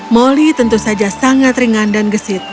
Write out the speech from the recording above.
moli tentu saja sangat ringan dan gesit